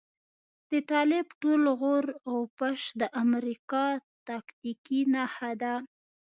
د طالب ټول غور او پش د امريکا تاکتيکي نښه ده.